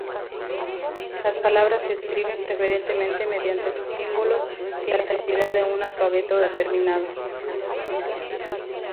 Las palabras se escriben preferentemente mediante sus símbolos, sin necesidad de un alfabeto determinado.